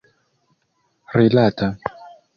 rilata